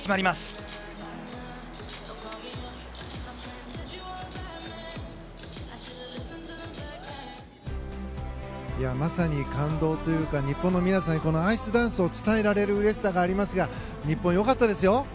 まさに感動というか日本の皆さんにこのアイスダンスを伝えられるうれしさがありますが日本、よかったですよ。